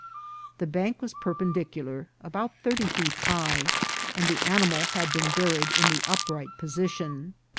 The bank was perpendicular, about thirty feet high, and the animal had been buried in an upright position.